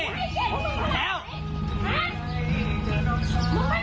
มึงไม่พามันไปกินน้ำเย็นที่บ้านกูเลย